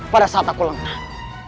pada saat aku lenang